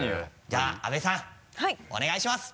じゃあ阿部さんお願いします。